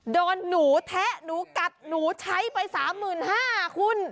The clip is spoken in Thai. หนูแทะหนูกัดหนูใช้ไป๓๕๐๐บาทคุณ